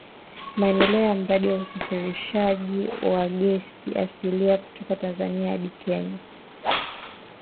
Maendeleo ya mradi wa usafirishaji wa gesi asilia kutoka Tanzania hadi Kenya